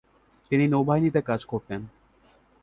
তিনি নৌবাহিনীতে কাজ করতেন।